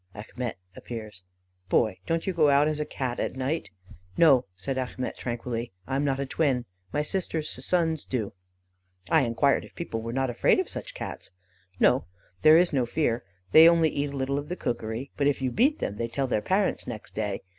"Achmet appears. "'Boy, don't you go out as a Cat at night?' "'No,' said Achmet tranquilly, 'I am not a twin. My sister's sons do.' "I enquired if people were not afraid of such Cats. "'No, there is no fear; they only eat a little of the cookery; but if you beat them, they tell their parents next day.